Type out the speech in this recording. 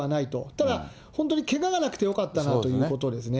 ただ、本当にけががなくてよかったなということですね。